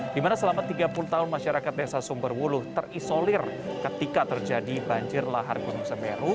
di mana selama tiga puluh tahun masyarakat desa sumberwuluh terisolir ketika terjadi banjir lahar gunung semeru